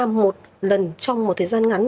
một lần trong một thời gian ngắn